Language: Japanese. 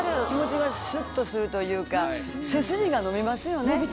気持ちがスッとするというか背筋が伸びますよね。